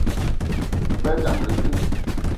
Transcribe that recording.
Me gbelé dam le te